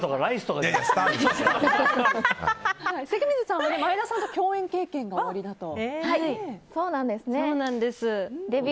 関水さんは前田さんと共演経験がおありだと？